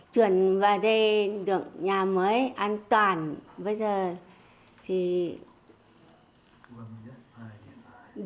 chuyển về đây